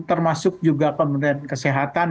termasuk juga pemerintah kesehatan